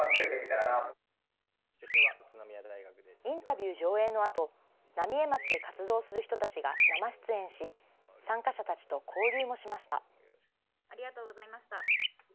インタビュー上映のあと、浪江町で活動する人たちが生出演し、参加者たちと交流もしました。